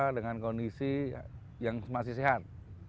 dengan kondisi yang masih sehat